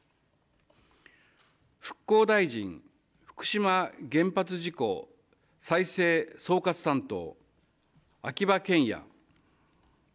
復興大臣、福島原発事故再生総括担当、秋葉賢也。